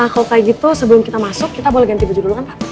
kalau kayak gitu sebelum kita masuk kita boleh ganti baju dulu kan pak